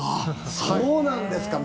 そうなんですか？